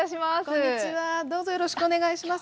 こんにちはどうぞよろしくお願いします。